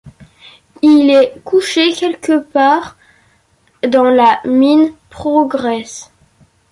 Il est couché quelque part dans la mine Progress.